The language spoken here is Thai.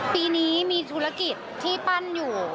ปีนี้มีธุรกิจที่ปั้นอยู่